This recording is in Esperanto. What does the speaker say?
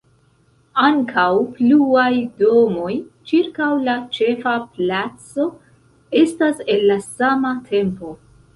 Ankaŭ pluaj domoj ĉirkaŭ la ĉefa placo estas el la sama tempo.